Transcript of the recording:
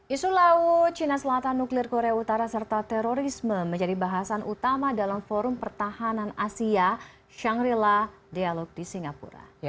isu laut cina selatan nuklir korea utara serta terorisme menjadi bahasan utama dalam forum pertahanan asia shangri la dialog di singapura